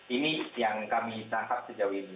ini yang kami tangkap sejauh ini